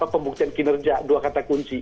pembuktian kinerja dua kata kunci